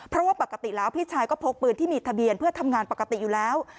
เพราะว่าปกติแล้วพี่ชายก็พกปืนที่มีทะเบียนเพื่อทำงานปกติอยู่แล้ว